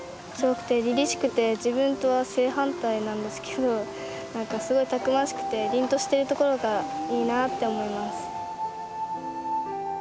りりしくて自分とは正反対なんですけど何かすごいたくましくてりんとしてるところがいいなって思います。